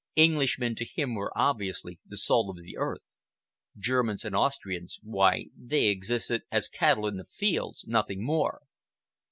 Englishmen to him were obviously the salt of the earth. Germans and Austrians—why, they existed as the cattle in the fields—nothing more.